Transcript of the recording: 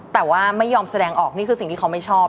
แต่ว่าไม่ยอมแสดงออกนี่คือสิ่งที่เขาไม่ชอบ